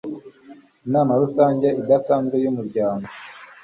Inama Rusange Idasanzwe y Umuryango